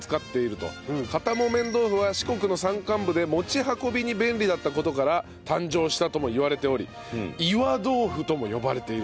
木綿豆腐は四国の山間部で持ち運びに便利だった事から誕生したともいわれており岩豆腐とも呼ばれていると。